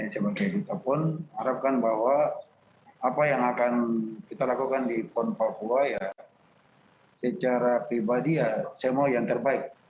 sebagai kita pun harapkan bahwa apa yang akan kita lakukan di pon papua ya secara pribadi ya saya mau yang terbaik